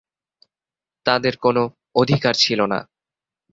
তাদের কোন অধিকার ছিলনা।